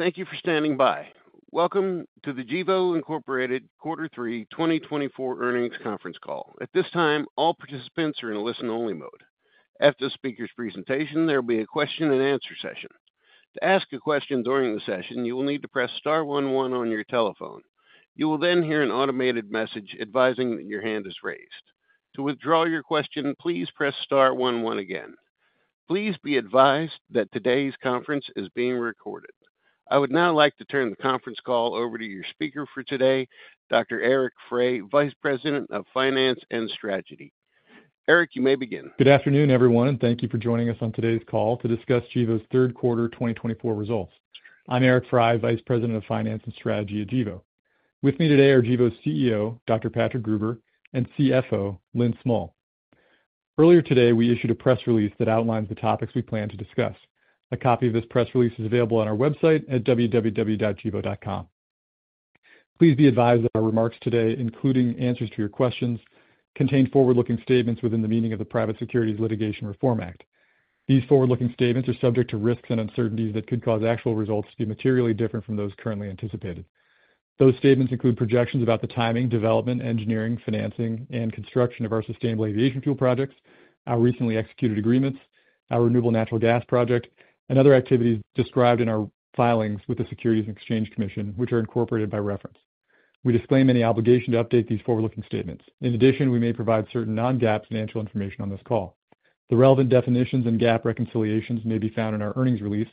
Thank you for standing by. Welcome to the Gevo, Inc. Quarter Three 2024 earnings conference call. At this time, all participants are in listen-only mode. After the speaker's presentation, there will be a question-and-answer session. To ask a question during the session, you will need to press star one one on your telephone. You will then hear an automated message advising that your hand is raised. To withdraw your question, please press star one one again. Please be advised that today's conference is being recorded. I would now like to turn the conference call over to your speaker for today, Dr. Eric Frey, Vice President of Finance and Strategy. Eric, you may begin. Good afternoon, everyone, and thank you for joining us on today's call to discuss Gevo's third quarter 2024 results. I'm Eric Frey, Vice President of Finance and Strategy at Gevo. With me today are Gevo's CEO, Dr. Patrick Gruber, and CFO, Lynn Smull. Earlier today, we issued a press release that outlines the topics we plan to discuss. A copy of this press release is available on our website at www.gevo.com. Please be advised that our remarks today, including answers to your questions, contain forward-looking statements within the meaning of the Private Securities Litigation Reform Act. These forward-looking statements are subject to risks and uncertainties that could cause actual results to be materially different from those currently anticipated. Those statements include projections about the timing, development, engineering, financing, and construction of our sustainable aviation fuel projects, our recently executed agreements, our renewable natural gas project, and other activities described in our filings with the Securities and Exchange Commission, which are incorporated by reference. We disclaim any obligation to update these forward-looking statements. In addition, we may provide certain non-GAAP financial information on this call. The relevant definitions and GAAP reconciliations may be found in our earnings release,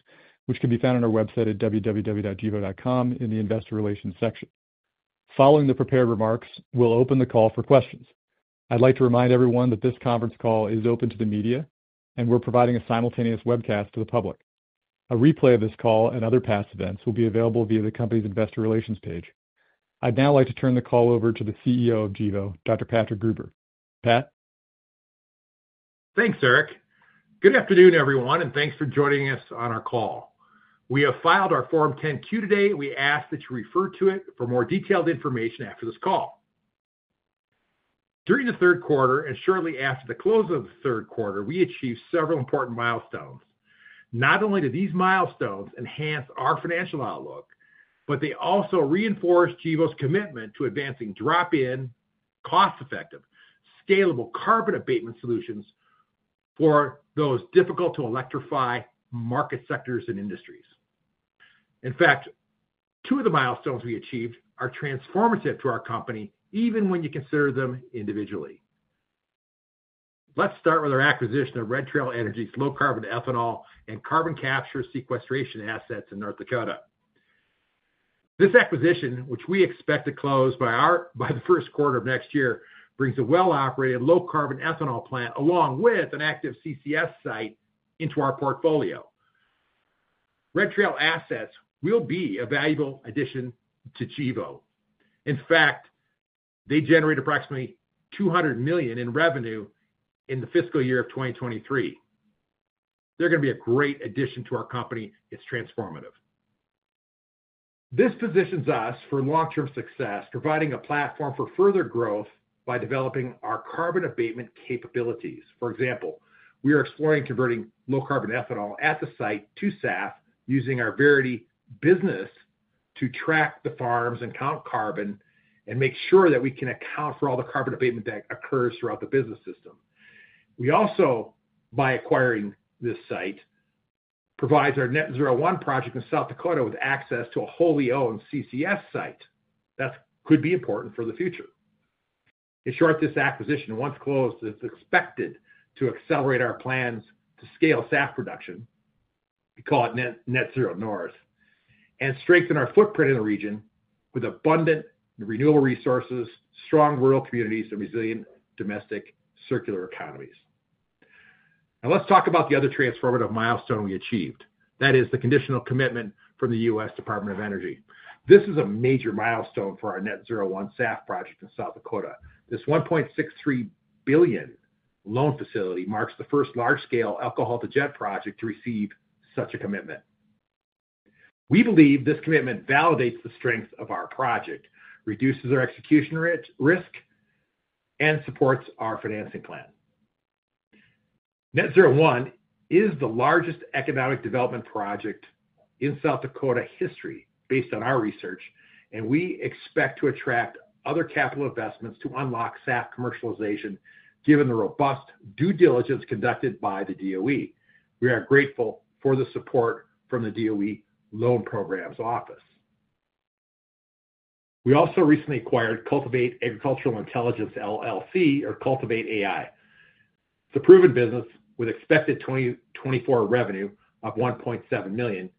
which can be found on our website at www.gevo.com in the Investor Relations section. Following the prepared remarks, we'll open the call for questions. I'd like to remind everyone that this conference call is open to the media, and we're providing a simultaneous webcast to the public. A replay of this call and other past events will be available via the company's Investor Relations page. I'd now like to turn the call over to the CEO of Gevo, Dr. Patrick Gruber. Pat? Thanks, Eric. Good afternoon, everyone, and thanks for joining us on our call. We have filed our Form 10-Q today, and we ask that you refer to it for more detailed information after this call. During the third quarter and shortly after the close of the third quarter, we achieved several important milestones. Not only did these milestones enhance our financial outlook, but they also reinforced Gevo's commitment to advancing drop-in, cost-effective, scalable carbon abatement solutions for those difficult-to-electrify market sectors and industries. In fact, two of the milestones we achieved are transformative to our company, even when you consider them individually. Let's start with our acquisition of Red Trail Energy's low-carbon ethanol and carbon capture and sequestration assets in North Dakota. This acquisition, which we expect to close by the first quarter of next year, brings a well-operated low-carbon ethanol plant along with an active CCS site into our portfolio. Red Trail assets will be a valuable addition to Gevo. In fact, they generate approximately $200 million in revenue in the fiscal year of 2023. They're going to be a great addition to our company. It's transformative. This positions us for long-term success, providing a platform for further growth by developing our carbon abatement capabilities. For example, we are exploring converting low-carbon ethanol at the site to SAF using our Verity business to track the farms and count carbon and make sure that we can account for all the carbon abatement that occurs throughout the business system. We also, by acquiring this site, provide our Net-Zero 1 project in South Dakota with access to a wholly-owned CCS site that could be important for the future. In short, this acquisition, once closed, is expected to accelerate our plans to scale SAF production, we call it Net-Zero North, and strengthen our footprint in the region with abundant renewable resources, strong rural communities, and resilient domestic circular economies. Now, let's talk about the other transformative milestone we achieved. That is the conditional commitment from the U.S. Department of Energy. This is a major milestone for our Net-Zero 1 SAF project in South Dakota. This $1.63 billion loan facility marks the first large-scale alcohol-to-jet project to receive such a commitment. We believe this commitment validates the strength of our project, reduces our execution risk, and supports our financing plan. Net-Zero 1 is the largest economic development project in South Dakota history, based on our research, and we expect to attract other capital investments to unlock SAF commercialization, given the robust due diligence conducted by the DOE. We are grateful for the support from the DOE Loan Programs Office. We also recently acquired Cultivate Agricultural Intelligence LLC, or Cultivate AI. It's a proven business with expected 2024 revenue of $1.7 million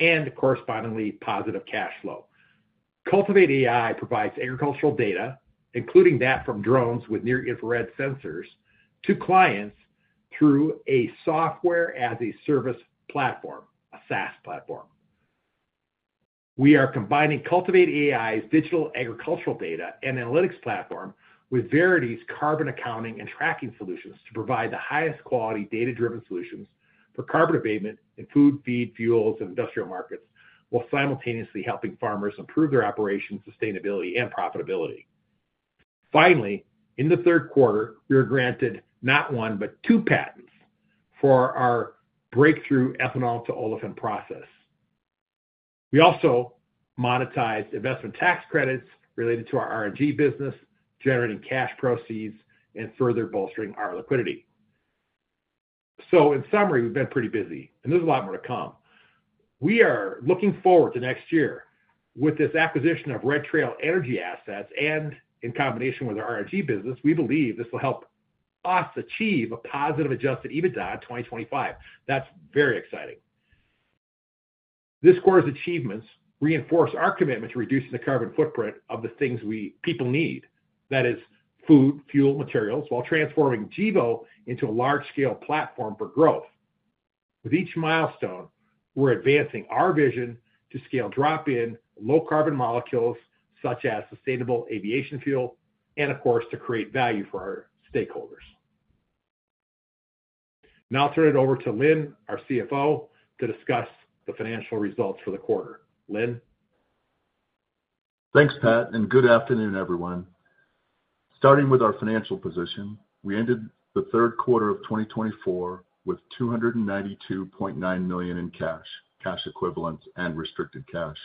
and correspondingly positive cash flow. Cultivate AI provides agricultural data, including that from drones with near-infrared sensors, to clients through a software-as-a-service platform, a SaaS platform. We are combining Cultivate AI's digital agricultural data and analytics platform with Verity's carbon accounting and tracking solutions to provide the highest quality data-driven solutions for carbon abatement in food, feed, fuels, and industrial markets, while simultaneously helping farmers improve their operations, sustainability, and profitability. Finally, in the third quarter, we were granted not one, but two patents for our breakthrough Ethanol-to-Olefin process. We also monetized investment tax credits related to our RNG business, generating cash proceeds and further bolstering our liquidity. So, in summary, we've been pretty busy, and there's a lot more to come. We are looking forward to next year with this acquisition of Red Trail Energy assets, and in combination with our RNG business, we believe this will help us achieve a positive Adjusted EBITDA in 2025. That's very exciting. This quarter's achievements reinforce our commitment to reducing the carbon footprint of the things people need. That is food, fuel, materials, while transforming Gevo into a large-scale platform for growth. With each milestone, we're advancing our vision to scale drop-in low-carbon molecules such as sustainable aviation fuel and, of course, to create value for our stakeholders. Now, I'll turn it over to Lynn, our CFO, to discuss the financial results for the quarter. Lynn. Thanks, Pat, and good afternoon, everyone. Starting with our financial position, we ended the third quarter of 2024 with $292.9 million in cash, cash equivalents, and restricted cash.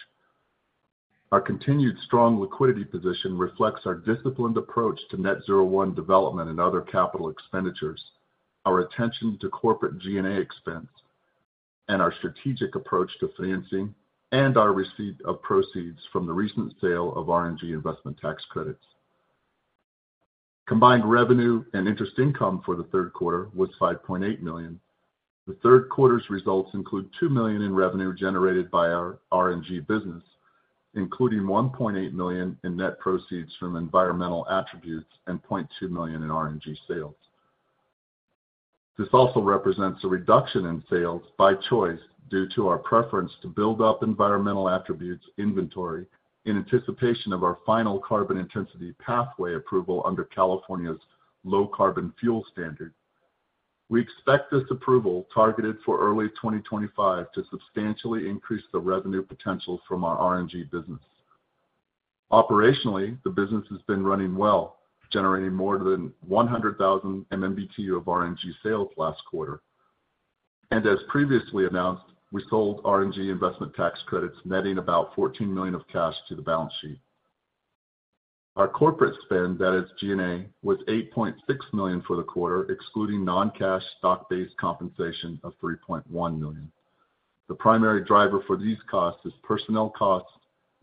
Our continued strong liquidity position reflects our disciplined approach to Net-Zero 1 development and other capital expenditures, our attention to corporate G&A expense, and our strategic approach to financing and our receipt of proceeds from the recent sale of RNG investment tax credits. Combined revenue and interest income for the third quarter was $5.8 million. The third quarter's results include $2 million in revenue generated by our RNG business, including $1.8 million in net proceeds from environmental attributes and $0.2 million in RNG sales. This also represents a reduction in sales by choice due to our preference to build up environmental attributes inventory in anticipation of our final carbon intensity pathway approval under California's Low Carbon Fuel Standard. We expect this approval, targeted for early 2025, to substantially increase the revenue potential from our RNG business. Operationally, the business has been running well, generating more than 100,000 MMBtu of RNG sales last quarter. As previously announced, we sold RNG investment tax credits, netting about $14 million of cash to the balance sheet. Our corporate spend, that is G&A, was $8.6 million for the quarter, excluding non-cash stock-based compensation of $3.1 million. The primary driver for these costs is personnel costs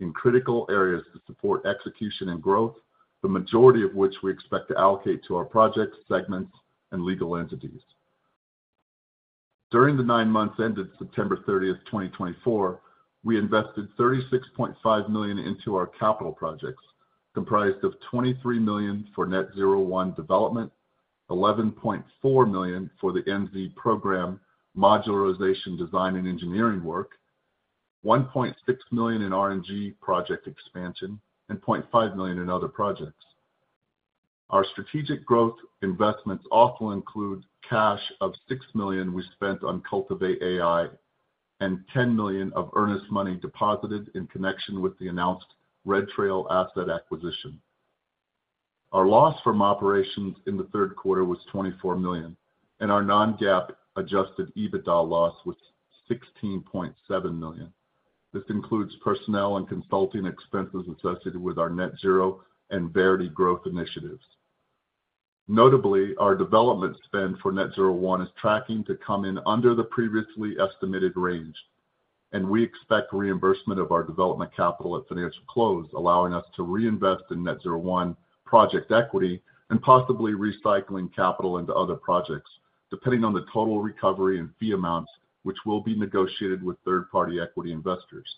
in critical areas to support execution and growth, the majority of which we expect to allocate to our project segments and legal entities. During the nine months ended September 30, 2024, we invested $36.5 million into our capital projects, comprised of $23 million for Net-Zero 1 development, $11.4 million for the Net-Zero program modularization design and engineering work, $1.6 million in RNG project expansion, and $0.5 million in other projects. Our strategic growth investments also include cash of $6 million we spent on Cultivate AI and $10 million of earnest money deposited in connection with the announced Red Trail asset acquisition. Our loss from operations in the third quarter was $24 million, and our non-GAAP adjusted EBITDA loss was $16.7 million. This includes personnel and consulting expenses associated with our Net-Zero and Verity growth initiatives. Notably, our development spend for Net-Zero 1 is tracking to come in under the previously estimated range, and we expect reimbursement of our development capital at financial close, allowing us to reinvest in Net-Zero 1 project equity and possibly recycling capital into other projects, depending on the total recovery and fee amounts, which will be negotiated with third-party equity investors.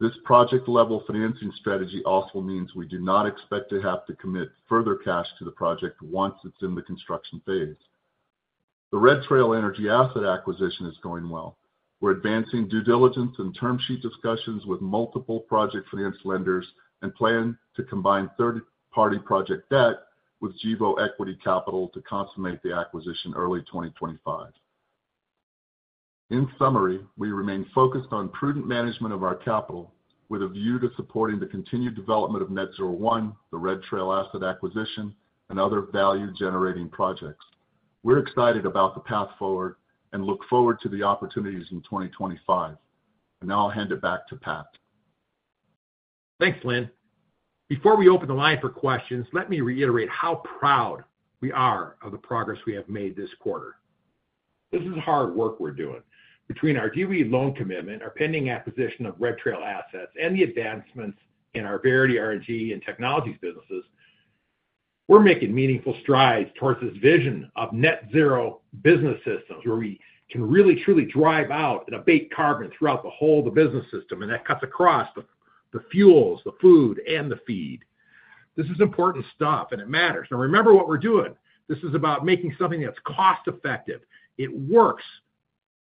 This project-level financing strategy also means we do not expect to have to commit further cash to the project once it's in the construction phase. The Red Trail Energy asset acquisition is going well. We're advancing due diligence and term sheet discussions with multiple project finance lenders and plan to combine third-party project debt with Gevo equity capital to consummate the acquisition early 2025. In summary, we remain focused on prudent management of our capital with a view to supporting the continued development of Net-Zero 1, the Red Trail asset acquisition, and other value-generating projects. We're excited about the path forward and look forward to the opportunities in 2025. And now I'll hand it back to Pat. Thanks, Lynn. Before we open the line for questions, let me reiterate how proud we are of the progress we have made this quarter. This is hard work we're doing. Between our DOE loan commitment, our pending acquisition of Red Trail assets, and the advancements in our Verity RNG and technologies businesses, we're making meaningful strides towards this vision of net-zero business systems where we can really, truly drive out and abate carbon throughout the whole business system. And that cuts across the fuels, the food, and the feed. This is important stuff, and it matters. Now, remember what we're doing. This is about making something that's cost-effective. It works.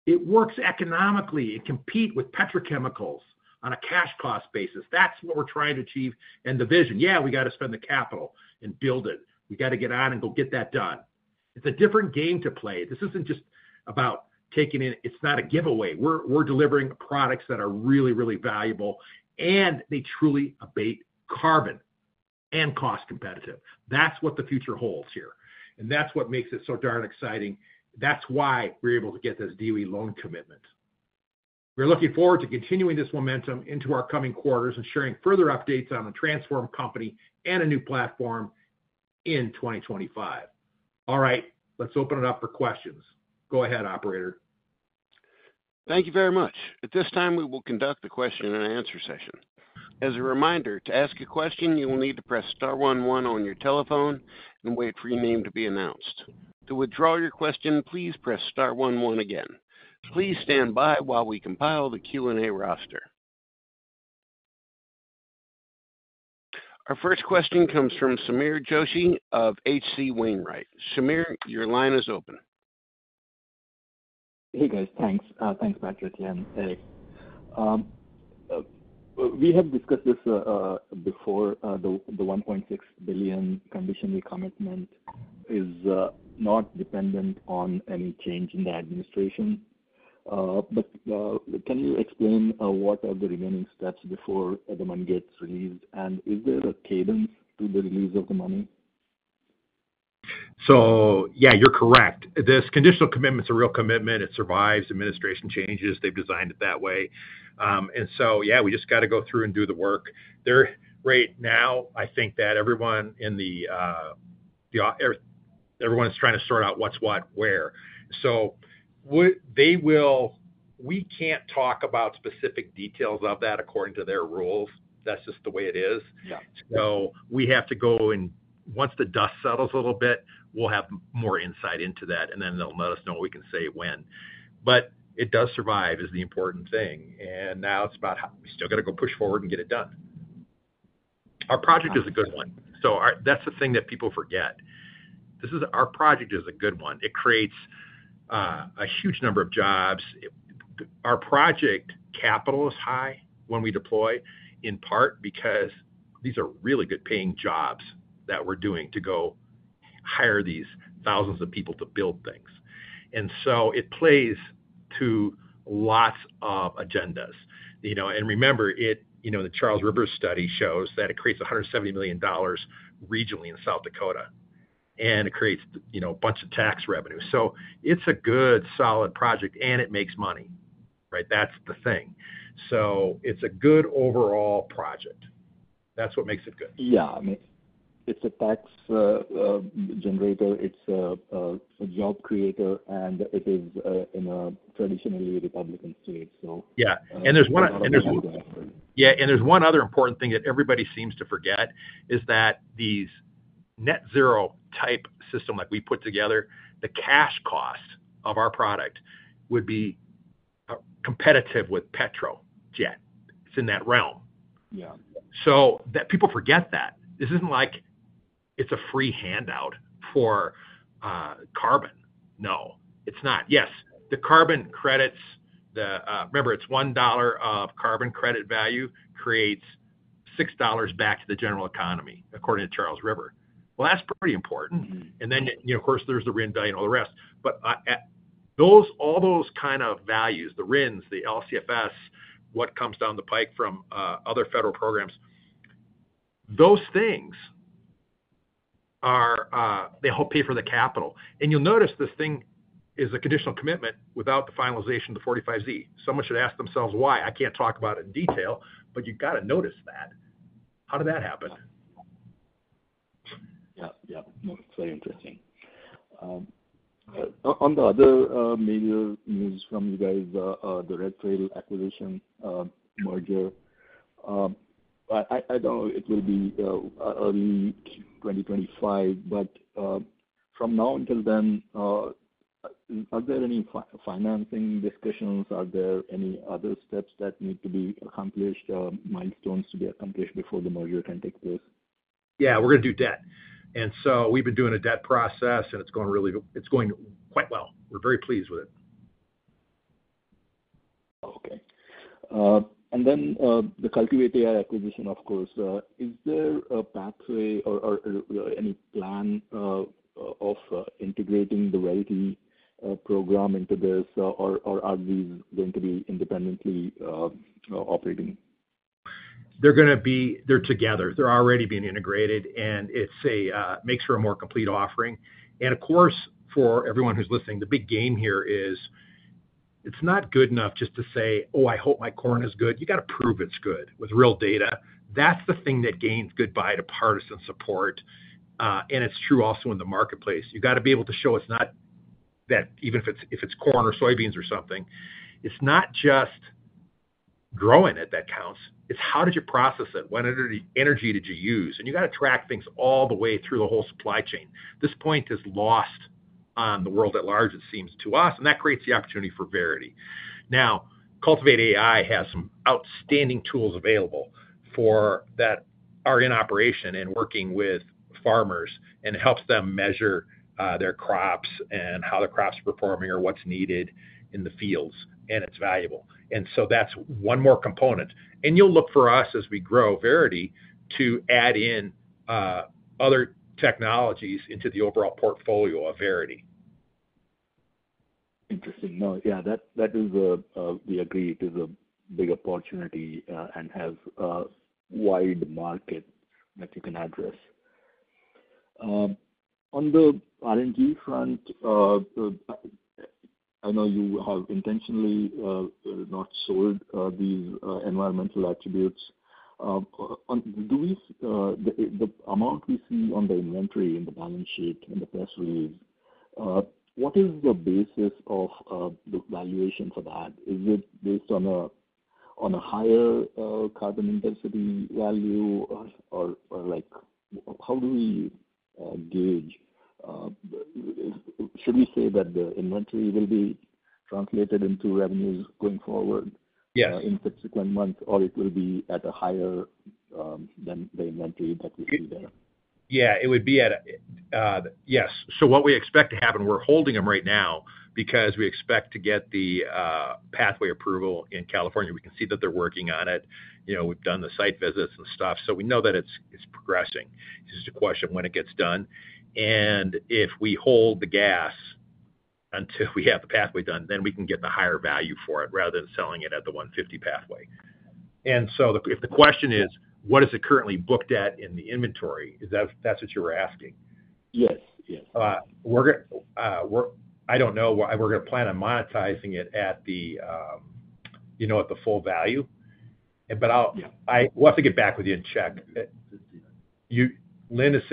It works economically. It competes with petrochemicals on a cash cost basis. That's what we're trying to achieve in the vision. Yeah, we got to spend the capital and build it. We got to get out and go get that done. It's a different game to play. This isn't just about taking it. It's not a giveaway. We're delivering products that are really, really valuable, and they truly abate carbon and cost-competitive. That's what the future holds here, and that's what makes it so darn exciting. That's why we're able to get this DOE loan commitment. We're looking forward to continuing this momentum into our coming quarters and sharing further updates on the transform company and a new platform in 2025. All right, let's open it up for questions. Go ahead, operator. Thank you very much. At this time, we will conduct the question and answer session. As a reminder, to ask a question, you will need to press star one one on your telephone and wait for your name to be announced. To withdraw your question, please press star one one again. Please stand by while we compile the Q&A roster. Our first question comes from Sameer Joshi of H.C. Wainwright. Sameer, your line is open. Hey, guys. Thanks. Thanks, Patrick. And we have discussed this before. The $1.6 billion conditional commitment is not dependent on any change in the administration. But can you explain what are the remaining steps before the money gets released? And is there a cadence to the release of the money? Yeah, you're correct. This conditional commitment is a real commitment. It survives administration changes. They've designed it that way. Yeah, we just got to go through and do the work. Right now, I think that everyone is trying to sort out what's what, where. We can't talk about specific details of that according to their rules. That's just the way it is. We have to go and once the dust settles a little bit, we'll have more insight into that, and then they'll let us know what we can say when. It does survive is the important thing. Now it's about we still got to go push forward and get it done. Our project is a good one. That's the thing that people forget. Our project is a good one. It creates a huge number of jobs. Our project capital is high when we deploy, in part because these are really good-paying jobs that we're doing to go hire these thousands of people to build things. And so it plays to lots of agendas. And remember, the Charles River study shows that it creates $170 million regionally in South Dakota, and it creates a bunch of tax revenue. So it's a good, solid project, and it makes money. Right? That's the thing. So it's a good overall project. That's what makes it good. Yeah. It's a tax generator. It's a job creator, and it is in a traditionally Republican state. Yeah. And there's one other important thing that everybody seems to forget is that these Net-Zero type systems like we put together, the cash cost of our product would be competitive with petro jet. It's in that realm. So people forget that. This isn't like it's a free handout for carbon. No, it's not. Yes, the carbon credits, remember, it's $1 of carbon credit value creates $6 back to the general economy, according to Charles River. Well, that's pretty important. And then, of course, there's the RIN value and all the rest. But all those kind of values, the RINs, the LCFS, what comes down the pike from other federal programs, those things, they help pay for the capital. And you'll notice this thing is a conditional commitment without the finalization of the 45Z. Someone should ask themselves why. I can't talk about it in detail, but you got to notice that. How did that happen? Yeah. Yeah. That's very interesting. On the other major news from you guys, the Red Trail acquisition merger, I don't know if it will be early 2025, but from now until then, are there any financing discussions? Are there any other steps that need to be accomplished, milestones to be accomplished before the merger can take place? Yeah, we're going to do debt. And so we've been doing a debt process, and it's going quite well. We're very pleased with it. Okay, and then the Cultivate AI acquisition, of course, is there a pathway or any plan of integrating the Verity program into this, or are these going to be independently operating? They're going to be together. They're already being integrated, and it makes for a more complete offering. And of course, for everyone who's listening, the big game here is it's not good enough just to say, "Oh, I hope my corn is good." You got to prove it's good with real data. That's the thing that gains good buy-in to bipartisan support. And it's true also in the marketplace. You got to be able to show it's not that even if it's corn or soybeans or something, it's not just growing it that counts. It's how did you process it? What energy did you use? And you got to track things all the way through the whole supply chain. This point is lost on the world at large, it seems to us, and that creates the opportunity for Verity. Now, Cultivate AI has some outstanding tools available for that are in operation and working with farmers and helps them measure their crops and how the crops are performing or what's needed in the fields, and it's valuable, and so that's one more component, and you'll look for us as we grow Verity to add in other technologies into the overall portfolio of Verity. Interesting. Yeah, that is, we agree it is a big opportunity and has a wide market that you can address. On the RND front, I know you have intentionally not sold these environmental attributes. The amount we see on the inventory in the balance sheet and the press release, what is the basis of the valuation for that? Is it based on a higher carbon intensity value? Or how do we gauge? Should we say that the inventory will be translated into revenues going forward in subsequent months, or it will be at a higher than the inventory that we see there? Yeah, it would be a yes. So what we expect to happen, we're holding them right now because we expect to get the pathway approval in California. We can see that they're working on it. We've done the site visits and stuff. So we know that it's progressing. It's just a question of when it gets done. And if we hold the gas until we have the pathway done, then we can get the higher value for it rather than selling it at the 150 pathway. And so if the question is, what is it currently booked at in the inventory, is that what you were asking? Yes. Yes. I don't know. We're going to plan on monetizing it at the full value. But I'll have to get back with you and check. Lynn is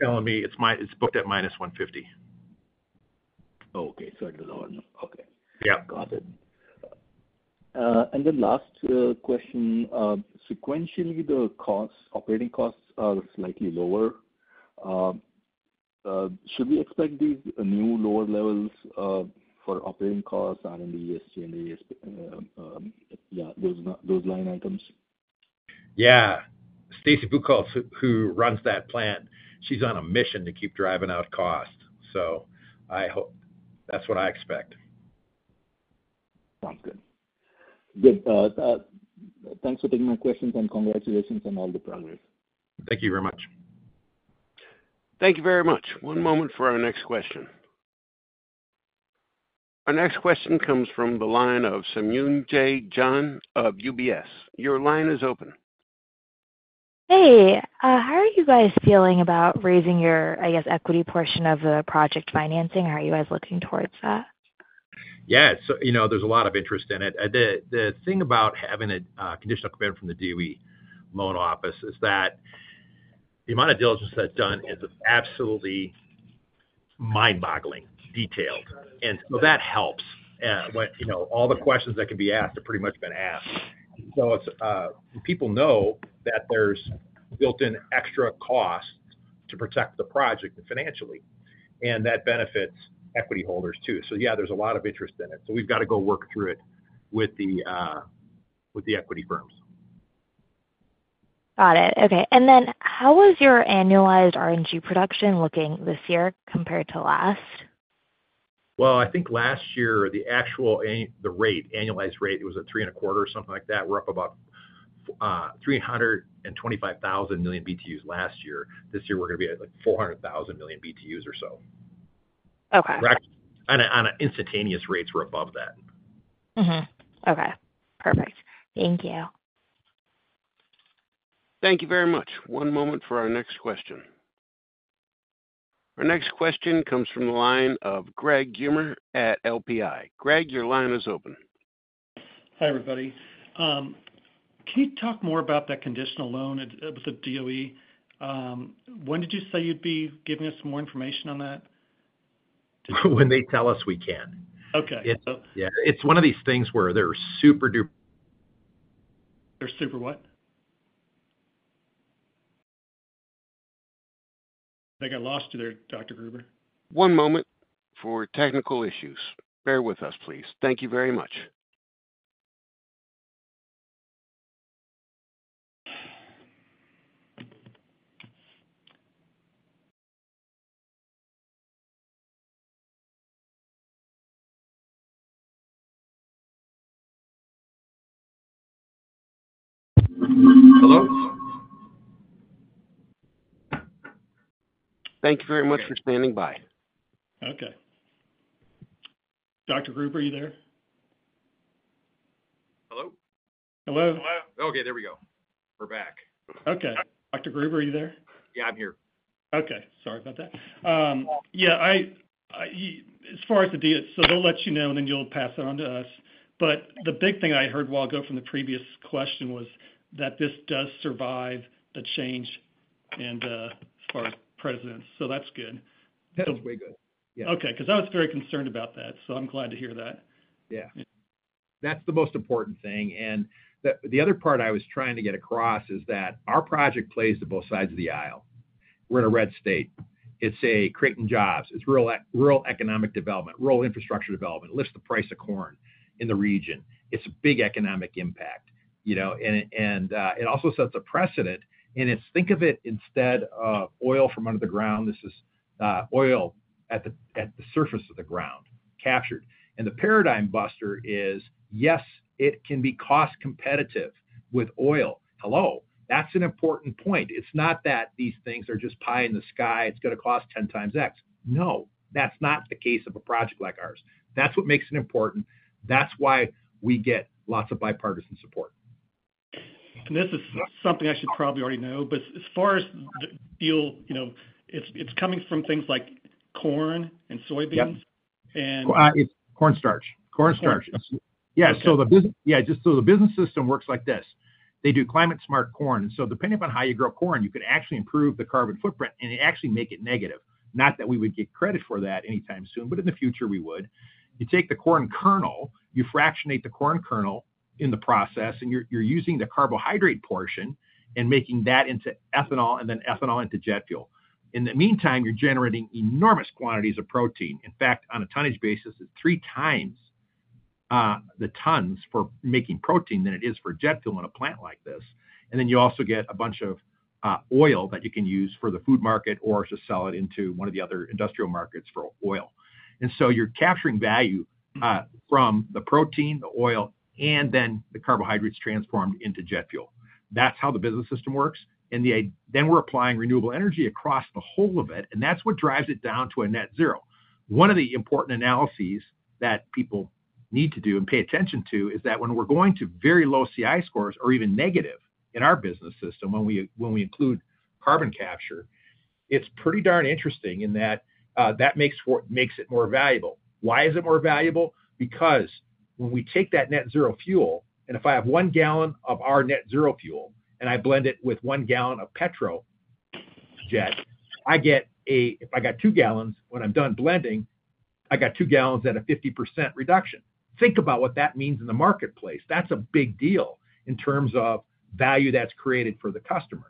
telling me it's booked at -150. Okay. Got it. And then last question. Sequentially, the costs, operating costs are slightly lower. Should we expect these new lower levels for operating costs on the ESG and the ESP? Yeah, those line items? Yeah. Stacy Buchholz, who runs that plant, she's on a mission to keep driving out costs. So that's what I expect. Sounds good. Good. Thanks for taking my questions and congratulations on all the progress. Thank you very much. Thank you very much. One moment for our next question. Our next question comes from the line of Saumya Jain of UBS. Your line is open. Hey. How are you guys feeling about raising your, I guess, equity portion of the project financing? How are you guys looking towards that? Yeah. So there's a lot of interest in it. The thing about having a conditional commitment from the DOE loan office is that the amount of diligence that's done is absolutely mind-boggling detailed. And so that helps. All the questions that can be asked have pretty much been asked. So people know that there's built-in extra costs to protect the project financially. And that benefits equity holders too. So yeah, there's a lot of interest in it. So we've got to go work through it with the equity firms. Got it. Okay, and then how was your annualized RNG production looking this year compared to last? I think last year, the actual rate, annualized rate, it was at three and a quarter or something like that. We're up about 325,000 million BTUs last year. This year, we're going to be at 400,000 million BTUs or so. Okay. On an instantaneous rate, we're above that. Okay. Perfect. Thank you. Thank you very much. One moment for our next question. Our next question comes from the line of Greg Gummer at LPI. Greg, your line is open. Hi, everybody. Can you talk more about that conditional loan with the DOE? When did you say you'd be giving us more information on that? When they tell us we can. Okay. Yeah. It's one of these things where they're super duper. They're super what? They got lost there, Dr. Gruber. One moment for technical issues. Bear with us, please. Thank you very much. Hello? Thank you very much for standing by. Okay. Dr. Gruber, are you there? Hello? Hello. Hello. Okay. There we go. We're back. Okay. Dr. Gruber, are you there? Yeah, I'm here. Okay. Sorry about that. Yeah. As far as the, so they'll let you know, and then you'll pass it on to us. But the big thing I heard a while ago from the previous question was that this does survive the change as far as presidents, so that's good. That's very good. Yeah. Okay. Because I was very concerned about that. So I'm glad to hear that. Yeah. That's the most important thing. And the other part I was trying to get across is that our project plays to both sides of the aisle. We're in a red state. It's creating jobs. It's rural economic development, rural infrastructure development. It lifts the price of corn in the region. It's a big economic impact. And it also sets a precedent. And think of it instead of oil from under the ground. This is oil at the surface of the ground captured. And the paradigm buster is, yes, it can be cost competitive with oil. Hello. That's an important point. It's not that these things are just pie in the sky. It's going to cost 10 times X. No. That's not the case of a project like ours. That's what makes it important. That's why we get lots of bipartisan support. And this is something I should probably already know, but as far as the deal, it's coming from things like corn and soybeans and. It's cornstarch. Cornstarch. Yeah. So the business system works like this. They do climate-smart corn. And so depending upon how you grow corn, you could actually improve the carbon footprint and actually make it negative. Not that we would get credit for that anytime soon, but in the future, we would. You take the corn kernel, you fractionate the corn kernel in the process, and you're using the carbohydrate portion and making that into ethanol and then ethanol into jet fuel. In the meantime, you're generating enormous quantities of protein. In fact, on a tonnage basis, it's three times the tons for making protein than it is for jet fuel in a plant like this. And then you also get a bunch of oil that you can use for the food market or just sell it into one of the other industrial markets for oil. And so you're capturing value from the protein, the oil, and then the carbohydrates transformed into jet fuel. That's how the business system works. And then we're applying renewable energy across the whole of it, and that's what drives it down to a net zero. One of the important analyses that people need to do and pay attention to is that when we're going to very low CI scores or even negative in our business system when we include carbon capture, it's pretty darn interesting in that that makes it more valuable. Why is it more valuable? Because when we take that net zero fuel, and if I have one gallon of our net zero fuel and I blend it with one gallon of petrol jet, I get a if I got two gallons when I'm done blending, I got two gallons at a 50% reduction. Think about what that means in the marketplace. That's a big deal in terms of value that's created for the customer.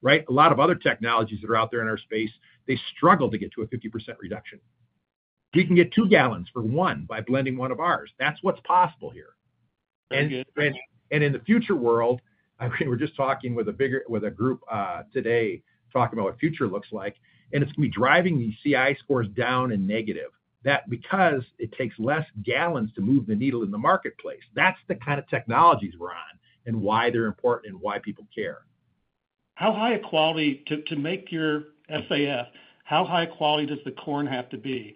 Right? A lot of other technologies that are out there in our space, they struggle to get to a 50% reduction. We can get two gallons for one by blending one of ours. That's what's possible here. And in the future world, we're just talking with a group today talking about what future looks like, and it's going to be driving these CI scores down and negative because it takes less gallons to move the needle in the marketplace. That's the kind of technologies we're on and why they're important and why people care. How high a quality to make your SAF? How high quality does the corn have to be?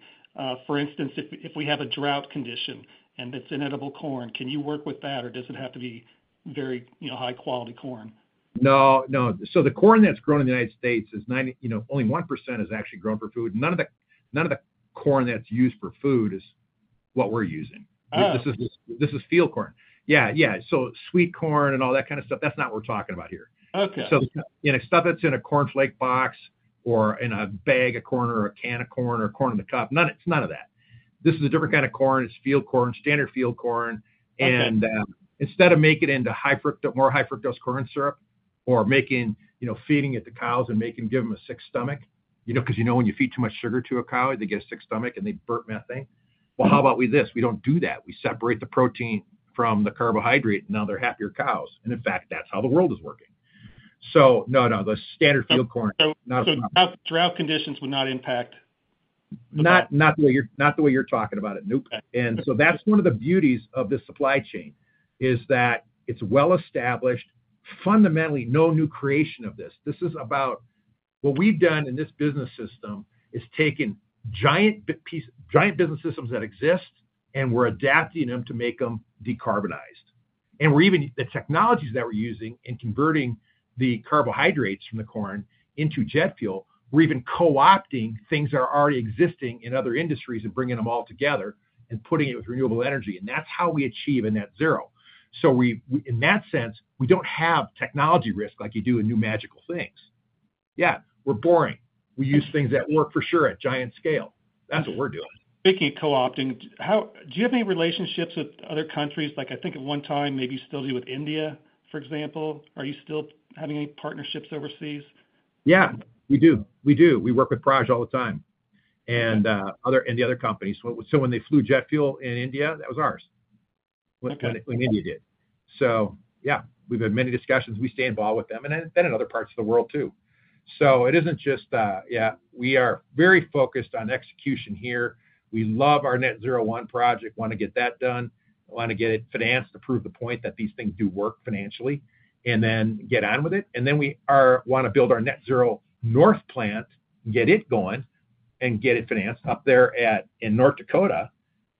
For instance, if we have a drought condition and it's inedible corn, can you work with that or does it have to be very high-quality corn? No. No. So the corn that's grown in the United States, only 1% is actually grown for food. None of the corn that's used for food is what we're using. This is field corn. Yeah. Yeah. So sweet corn and all that kind of stuff, that's not what we're talking about here. So stuff that's in a cornflake box or in a bag of corn or a can of corn or a corn in the cup, it's none of that. This is a different kind of corn. It's field corn, standard field corn. And instead of making it into more high-fructose corn syrup or feeding it to cows and giving them a sick stomach because you know when you feed too much sugar to a cow, they get a sick stomach and they burp methane. Well, how about with this? We don't do that. We separate the protein from the carbohydrate, and now they're happier cows. And in fact, that's how the world is working. So no, no. The standard field corn. Drought conditions would not impact. Not the way you're talking about it. Nope, and so that's one of the beauties of the supply chain is that it's well-established. Fundamentally, no new creation of this. This is about what we've done in this business system is taken giant business systems that exist, and we're adapting them to make them decarbonized, and the technologies that we're using in converting the carbohydrates from the corn into jet fuel, we're even co-opting things that are already existing in other industries and bringing them all together and putting it with renewable energy, and that's how we achieve a net zero, so in that sense, we don't have technology risk like you do in new magical things. Yeah. We're boring. We use things that work for sure at giant scale. That's what we're doing. Speaking of co-opting, do you have any relationships with other countries? I think at one time, maybe you still do with India, for example. Are you still having any partnerships overseas? Yeah. We do. We do. We work with Praj all the time and the other companies. So when they flew jet fuel in India, that was ours. When India did. So yeah, we've had many discussions. We stay involved with them and then in other parts of the world too. So it isn't just yeah, we are very focused on execution here. We love our Net-Zero 1 project, want to get that done, want to get it financed to prove the point that these things do work financially, and then get on with it. And then we want to build our Net-Zero North plant, get it going, and get it financed up there in North Dakota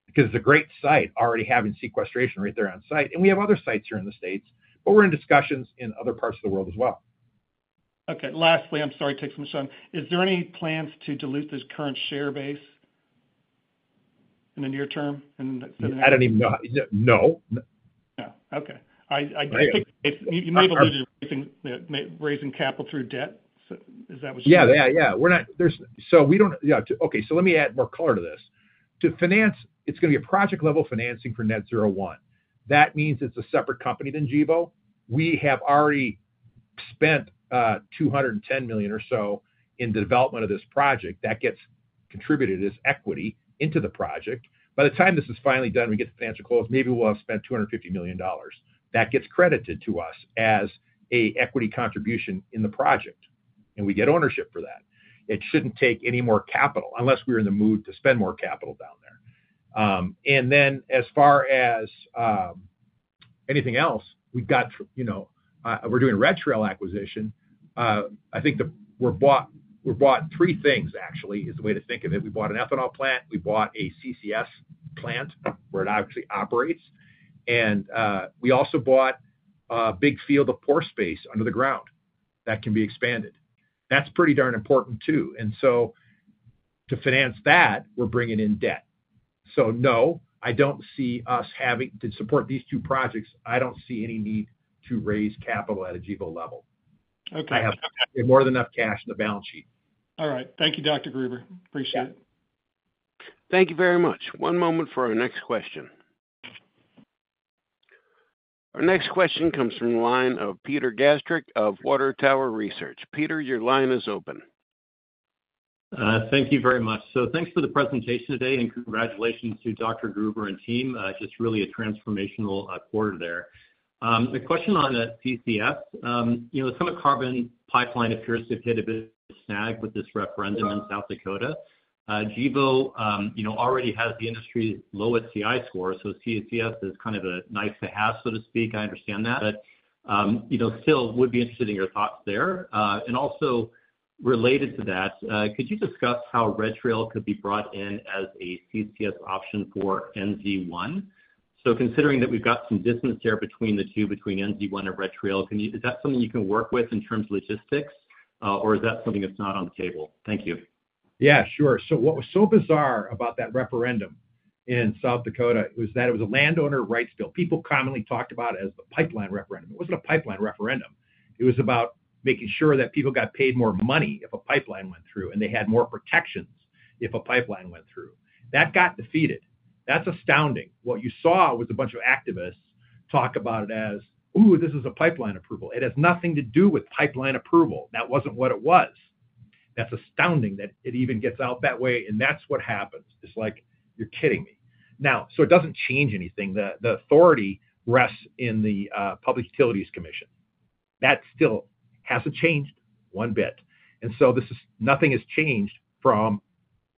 because it's a great site already having sequestration right there on site. We have other sites here in the States, but we're in discussions in other parts of the world as well. Okay. Lastly, I'm sorry to take some time. Is there any plans to dilute this current share base in the near term? I don't even know. No. No. Okay. You may have alluded to raising capital through debt. Is that what you mean? Yeah. Yeah. Yeah. So let me add more color to this. The financing is going to be a project-level financing for Net-Zero 1. That means it's a separate company than Gevo. We have already spent $210 million or so in the development of this project. That gets contributed as equity into the project. By the time this is finally done, we get the financial close, maybe we'll have spent $250 million. That gets credited to us as an equity contribution in the project. And we get ownership for that. It shouldn't take any more capital unless we're in the mood to spend more capital down there. And then as far as anything else, we've got we're doing a Red Trail acquisition. I think we're bought three things, actually, is the way to think of it. We bought an ethanol plant. We bought a CCS plant where it actually operates, and we also bought a big field of pore space under the ground that can be expanded. That's pretty darn important too, and so to finance that, we're bringing in debt. So no, I don't see us having to support these two projects. I don't see any need to raise capital at a Gevo level. I have more than enough cash in the balance sheet. All right. Thank you, Dr. Gruber. Appreciate it. Thank you very much. One moment for our next question. Our next question comes from the line of Peter Gastreich of Water Tower Research. Peter, your line is open. Thank you very much. So thanks for the presentation today and congratulations to Dr. Gruber and team. Just really a transformational quarter there. The question on the CCS, the Summit Carbon Solutions pipeline appears to have hit a bit of a snag with this referendum in South Dakota. Gevo already has the industry's lowest CI score. So CCS is kind of a nice to have, so to speak. I understand that. But still would be interested in your thoughts there. And also related to that, could you discuss how Red Trail could be brought in as a CCS option for NZ1? So considering that we've got some distance there between the two, between NZ1 and Red Trail, is that something you can work with in terms of logistics, or is that something that's not on the table? Thank you. Yeah. Sure. So what was so bizarre about that referendum in South Dakota was that it was a landowner rights bill. People commonly talked about it as the pipeline referendum. It wasn't a pipeline referendum. It was about making sure that people got paid more money if a pipeline went through and they had more protections if a pipeline went through. That got defeated. That's astounding. What you saw was a bunch of activists talk about it as, "Ooh, this is a pipeline approval. It has nothing to do with pipeline approval." That wasn't what it was. That's astounding that it even gets out that way. And that's what happens. It's like, "You're kidding me." Now, so it doesn't change anything. The authority rests in the Public Utilities Commission. That still hasn't changed one bit. And so nothing has changed from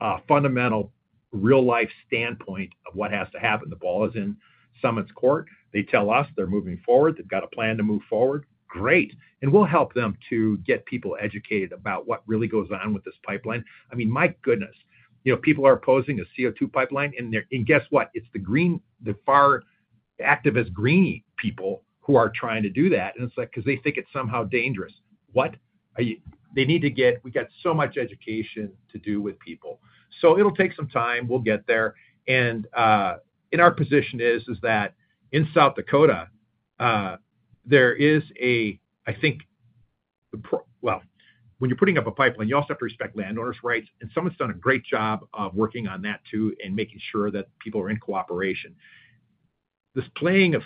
a fundamental real-life standpoint of what has to happen. The ball is in Summit's court. They tell us they're moving forward. They've got a plan to move forward. Great. And we'll help them to get people educated about what really goes on with this pipeline. I mean, my goodness, people are opposing a CO2 pipeline. And guess what? It's the far activist green people who are trying to do that. And it's because they think it's somehow dangerous. What? They need to get. We got so much education to do with people. So it'll take some time. We'll get there. And our position is that in South Dakota, there is a, I think, well, when you're putting up a pipeline, you also have to respect landowners' rights. And someone's done a great job of working on that too and making sure that people are in cooperation. This playing up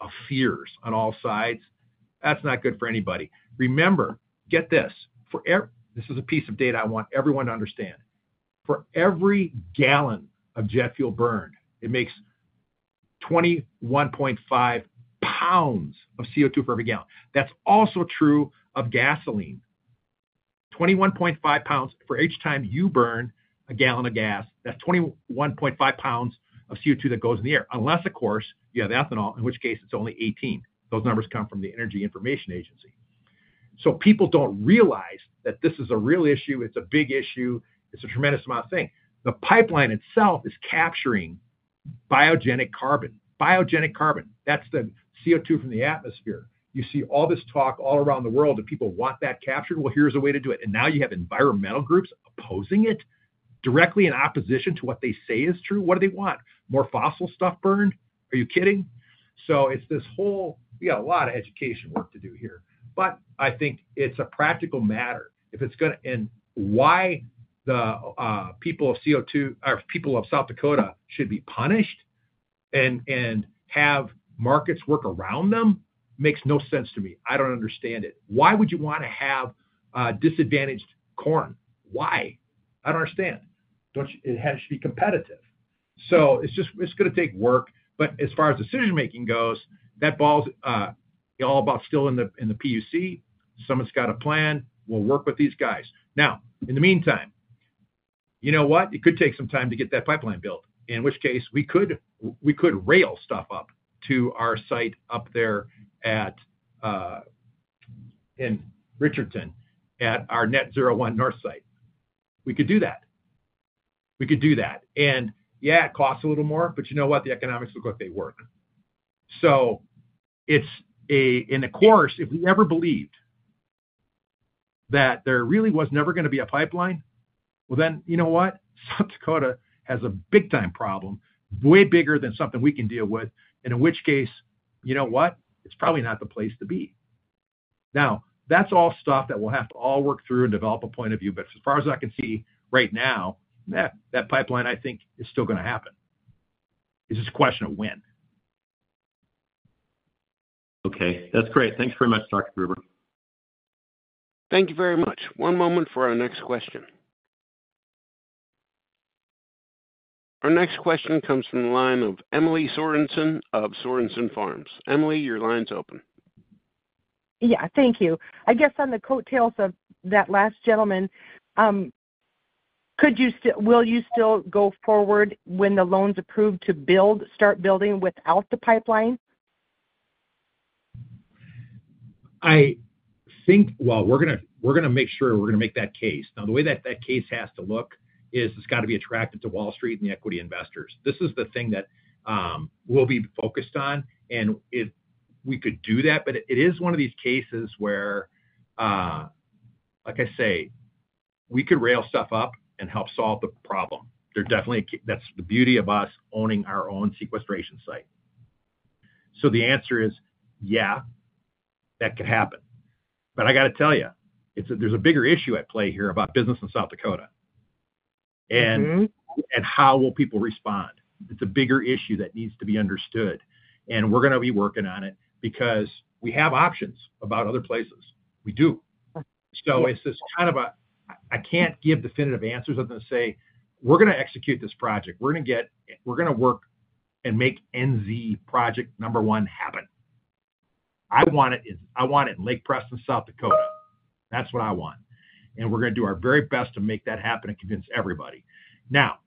of fears on all sides, that's not good for anybody. Remember, get this. This is a piece of data I want everyone to understand. For every gallon of jet fuel burned, it makes 21.5 pounds of CO2 for every gallon. That's also true of gasoline. 21.5 pounds for each time you burn a gallon of gas, that's 21.5 pounds of CO2 that goes in the air. Unless, of course, you have ethanol, in which case it's only 18. Those numbers come from the Energy Information Administration, so people don't realize that this is a real issue. It's a big issue. It's a tremendous amount of thing. The pipeline itself is capturing biogenic carbon. Biogenic carbon. That's the CO2 from the atmosphere. You see all this talk all around the world that people want that captured. Well, here's a way to do it, and now you have environmental groups opposing it directly in opposition to what they say is true. What do they want? More fossil stuff burned? Are you kidding? So it's this whole we got a lot of education work to do here. But I think it's a practical matter. And why the people of South Dakota should be punished and have markets work around them makes no sense to me. I don't understand it. Why would you want to have disadvantaged corn? Why? I don't understand. It has to be competitive. So it's going to take work. But as far as decision-making goes, that ball's all about still in the PUC. Someone's got a plan. We'll work with these guys. Now, in the meantime, you know what? It could take some time to get that pipeline built, in which case we could rail stuff up to our site up there in Richardton at our Net-Zero 1 North site. We could do that. We could do that. And yeah, it costs a little more, but you know what? The economics look like they work. So in the course, if we ever believed that there really was never going to be a pipeline, well, then you know what? South Dakota has a big-time problem, way bigger than something we can deal with, in which case, you know what? It's probably not the place to be. Now, that's all stuff that we'll have to all work through and develop a point of view. But as far as I can see right now, that pipeline, I think, is still going to happen. It's just a question of when. Okay. That's great. Thanks very much, Dr. Gruber. Thank you very much. One moment for our next question. Our next question comes from the line of Emily Sorenson of Sorenson Farms. Emily, your line's open. Yeah. Thank you. I guess on the coattails of that last gentleman, will you still go forward when the loan's approved to start building without the pipeline? We're going to make sure we're going to make that case. Now, the way that that case has to look is it's got to be attractive to Wall Street and the equity investors. This is the thing that we'll be focused on. And we could do that. But it is one of these cases where, like I say, we could rail stuff up and help solve the problem. That's the beauty of us owning our own sequestration site. So the answer is, yeah, that could happen. But I got to tell you, there's a bigger issue at play here about business in South Dakota and how will people respond. It's a bigger issue that needs to be understood. And we're going to be working on it because we have options about other places. We do. So it's just kind of a I can't give definitive answers other than to say, "We're going to execute this project. We're going to get we're going to work and make NZ project number one happen." I want it in Lake Preston, South Dakota. That's what I want. And we're going to do our very best to make that happen and convince everybody. Now,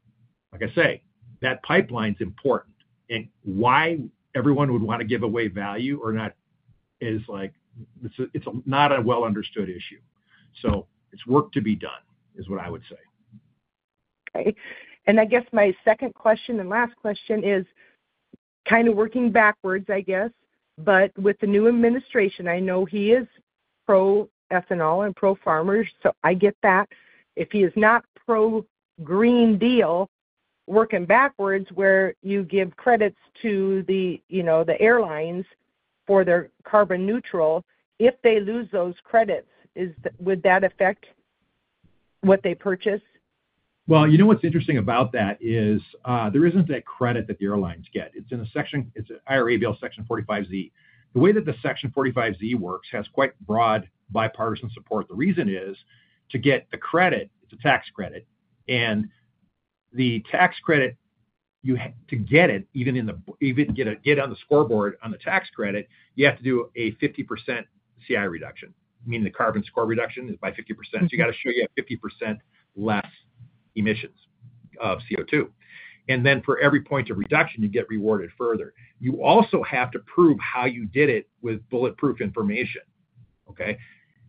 like I say, that pipeline's important. And why everyone would want to give away value or not is it's not a well-understood issue. So it's work to be done is what I would say. Okay. And I guess my second question and last question is kind of working backwards, I guess. But with the new administration, I know he is pro-ethanol and pro-farmers. So I get that. If he is not pro-green deal, working backwards where you give credits to the airlines for their carbon neutral, if they lose those credits, would that affect what they purchase? You know what's interesting about that is there isn't that credit that the airlines get. It's in a section, it's IRA Bill Section 45Z. The way that the Section 45Z works has quite broad bipartisan support. The reason is to get the credit, it's a tax credit. The tax credit, to get it, even get on the scoreboard on the tax credit, you have to do a 50% CI reduction, meaning the carbon score reduction is by 50%. You got to show you have 50% less emissions of CO2. Then for every point of reduction, you get rewarded further. You also have to prove how you did it with bulletproof information. Okay?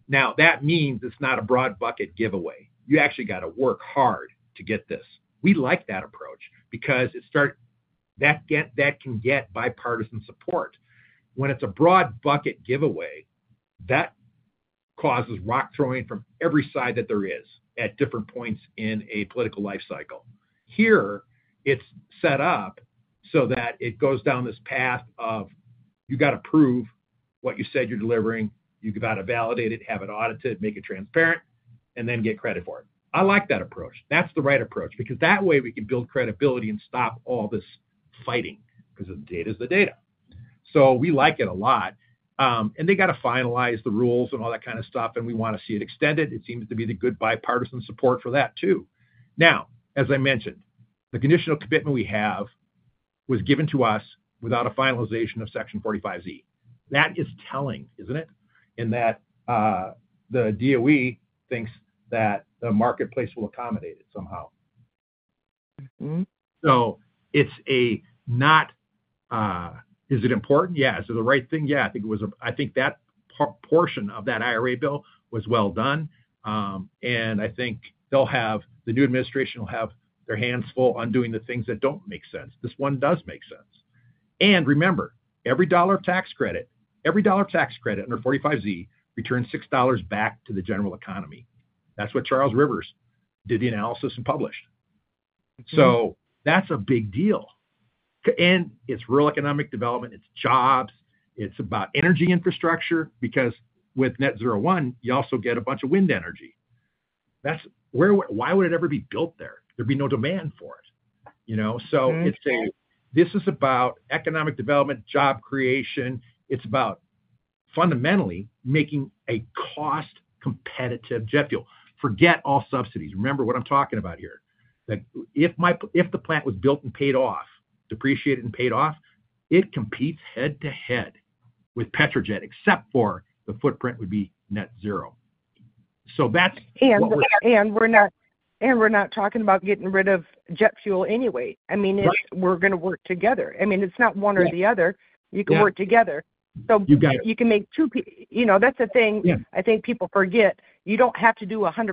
Now, that means it's not a broad-bucket giveaway. You actually got to work hard to get this. We like that approach because that can get bipartisan support. When it's a broad-bucket giveaway, that causes rock throwing from every side that there is at different points in a political life cycle. Here, it's set up so that it goes down this path of you got to prove what you said you're delivering. You've got to validate it, have it audited, make it transparent, and then get credit for it. I like that approach. That's the right approach because that way we can build credibility and stop all this fighting because the data is the data. So we like it a lot. And they got to finalize the rules and all that kind of stuff. And we want to see it extended. It seems to be the good bipartisan support for that too. Now, as I mentioned, the conditional commitment we have was given to us without a finalization of Section 45Z. That is telling, isn't it? In that the DOE thinks that the marketplace will accommodate it somehow. So, is it important? Yes. Is it the right thing? Yeah. I think that portion of that IRA bill was well done, and I think the new administration will have their hands full undoing the things that don't make sense. This one does make sense, and remember, every dollar of tax credit, every dollar of tax credit under 45Z returns $6 back to the general economy. That's what Charles River Associates did the analysis and published. So that's a big deal, and it's real economic development. It's jobs. It's about energy infrastructure because with Net-Zero 1, you also get a bunch of wind energy. Why would it ever be built there? There'd be no demand for it. So this is about economic development, job creation. It's about fundamentally making a cost-competitive jet fuel. Forget all subsidies. Remember what I'm talking about here. If the plant was built and paid off, depreciated and paid off, it competes head-to-head with petrochem except for the footprint would be net zero. So that's. And we're not talking about getting rid of jet fuel anyway. I mean, we're going to work together. I mean, it's not one or the other. You can work together. So you can make too, that's the thing I think people forget. You don't have to do 100%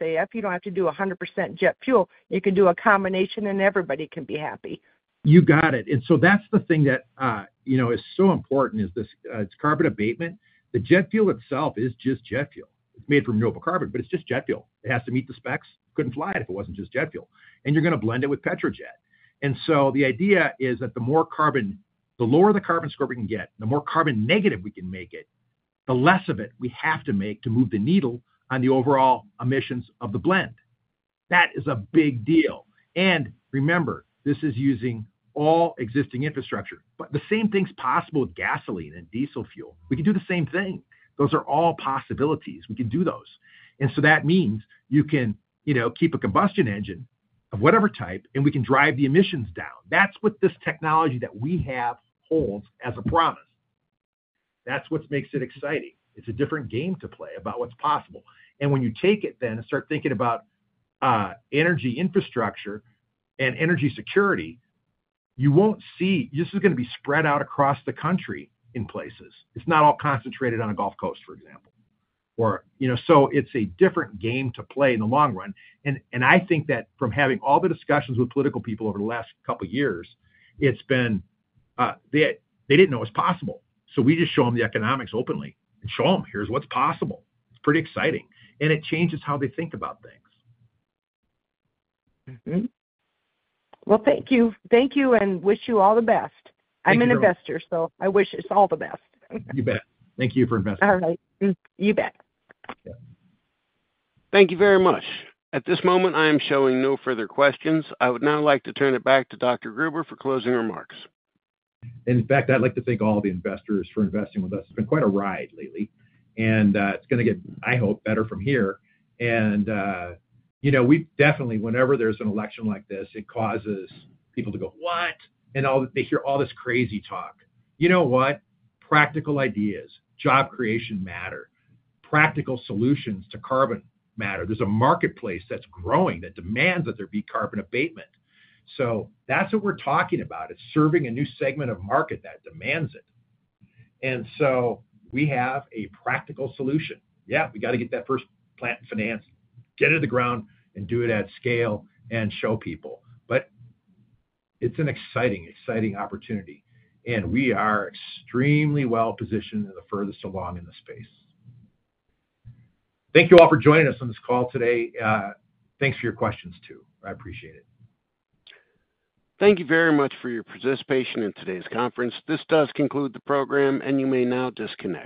SAF. You don't have to do 100% jet fuel. You can do a combination and everybody can be happy. You got it. And so that's the thing that is so important: this carbon abatement. The jet fuel itself is just jet fuel. It's made from renewable carbon, but it's just jet fuel. It has to meet the specs. Couldn't fly it if it wasn't just jet fuel. And you're going to blend it with petrojet. And so the idea is that the lower the carbon score we can get, the more carbon negative we can make it, the less of it we have to make to move the needle on the overall emissions of the blend. That is a big deal. And remember, this is using all existing infrastructure. But the same thing's possible with gasoline and diesel fuel. We can do the same thing. Those are all possibilities. We can do those. And so that means you can keep a combustion engine of whatever type and we can drive the emissions down. That's what this technology that we have holds as a promise. That's what makes it exciting. It's a different game to play about what's possible. And when you take it then and start thinking about energy infrastructure and energy security, you won't see this is going to be spread out across the country in places. It's not all concentrated on a Gulf Coast, for example. So it's a different game to play in the long run. And I think that from having all the discussions with political people over the last couple of years, it's been they didn't know it was possible. So we just show them the economics openly and show them, "Here's what's possible." It's pretty exciting. And it changes how they think about things. Thank you. Thank you and wish you all the best. I'm an investor, so I wish us all the best. You bet. Thank you for investing. All right. You bet. Thank you very much. At this moment, I am showing no further questions. I would now like to turn it back to Dr. Gruber for closing remarks. And in fact, I'd like to thank all the investors for investing with us. It's been quite a ride lately. And it's going to get, I hope, better from here. And definitely, whenever there's an election like this, it causes people to go, "What?" And they hear all this crazy talk. You know what? Practical ideas, job creation matter. Practical solutions to carbon matter. There's a marketplace that's growing that demands that there be carbon abatement. So that's what we're talking about. It's serving a new segment of market that demands it. And so we have a practical solution. Yeah, we got to get that first plant financed, get it to the ground, and do it at scale and show people. But it's an exciting, exciting opportunity. And we are extremely well positioned and the furthest along in the space. Thank you all for joining us on this call today. Thanks for your questions too. I appreciate it. Thank you very much for your participation in today's conference. This does conclude the program, and you may now disconnect.